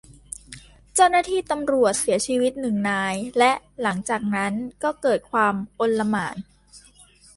เจ้าหน้าที่ตำรวจเสียชีวิตหนึ่งนาย และหลังจากนั้นก็เกิดความอลหม่าน